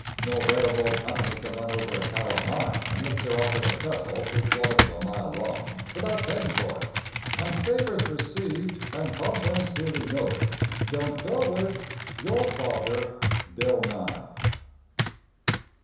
No railroad company can run over a cow of mine and mix her up with a trestle three quarters of a mile long, without paying for it, and favors received and contents duly noted don't go with Your father, BILL NYE.